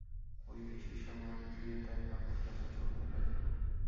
ঐ দিশি সাবান দিয়ে তাঁর কাপড়-কাচা চলতে লাগল।